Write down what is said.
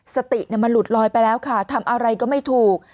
สติมันหลุดลอยไปแล้วค่ะทำอะไรก็ไม่ถูก